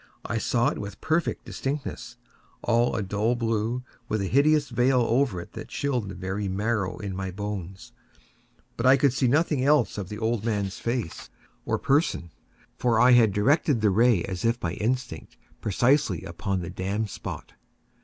I saw it with perfect distinctness—all a dull blue, with a hideous veil over it that chilled the very marrow in my bones; but I could see nothing else of the old man's face or person: for I had directed the ray as if by instinct, precisely upon the damned spot.